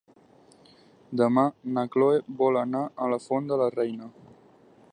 Demà na Cloè vol anar a la Font de la Reina.